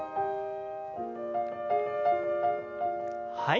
はい。